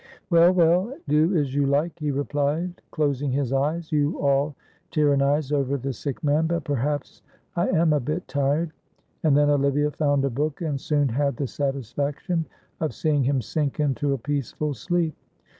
"Well, well, do as you like," he replied, closing his eyes, "you all tyrannise over the sick man, but perhaps I am a bit tired," and then Olivia found a book and soon had the satisfaction of seeing him sink into a peaceful sleep.